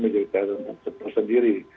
jadi kita harus tersendiri